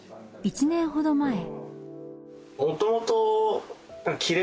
１年ほど前。